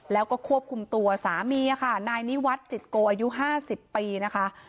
แล้วก็ควบคุมตัวสามีค่ะนายนิวัตรจิตโกอายุ๕๐ปีนะคะ